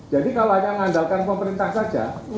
jadi kalau hanya mengandalkan pemerintah saja